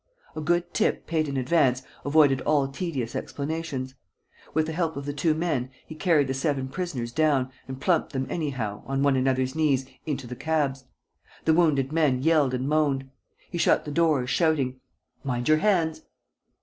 A good tip, paid in advance, avoided all tedious explanations. With the help of the two men, he carried the seven prisoners down and plumped them anyhow, on one another's knees, into the cabs. The wounded men yelled and moaned. He shut the doors, shouting: "Mind your hands!"